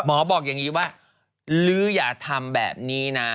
หมอบอกอย่างนี้ว่าลื้ออย่าทำแบบนี้นะ